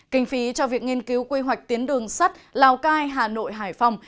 kinh phí cho việc nghiên cứu quy hoạch tuyến đường sắt lào cai hà nội hải phòng